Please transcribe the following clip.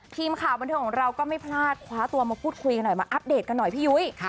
ทีมข่าวบันเทิงของเราก็ไม่พลาดคว้าตัวมาพูดคุยกันหน่อยมาอัปเดตกันหน่อยพี่ยุ้ย